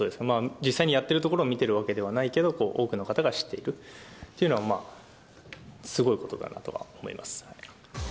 実際にやっているところを見てるわけではないけど、多くの方が知っているというのが、すごいことだなとは思います。